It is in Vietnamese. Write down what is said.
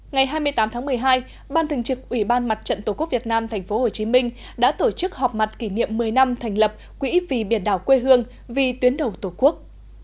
ngày hai mươi tám tháng một mươi hai ban thường trực ủy ban mặt trận tổ quốc việt nam tp hcm đã tổ chức họp mặt kỷ niệm một mươi năm thành lập quỹ vì biển đảo quê hương vì tuyến đầu tổ quốc